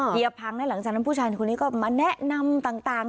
พังแล้วหลังจากนั้นผู้ชายคนนี้ก็มาแนะนำต่าง